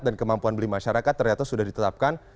dan kemampuan beli masyarakat ternyata sudah ditetapkan